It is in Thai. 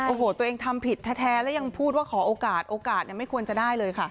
โอ้โหตัวเองทำผิดแท้แล้วยังพูดว่าขอโอกาสโอกาสไม่ควรจะได้เลยค่ะ